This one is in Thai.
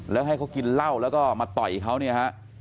แล้วให้เขากินเหล้าแล้วก็มาต่อยเขาเนี่ยฮะ